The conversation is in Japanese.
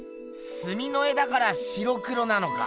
すみの絵だから白黒なのか。